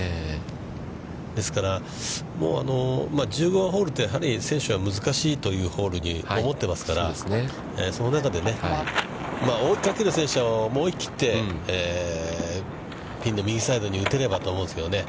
ですから、１５番ホールって選手は難しいホールだと思ってますから、その中で、追いかける選手は思い切ってピンの右サイドに打てればと思うんですけどね。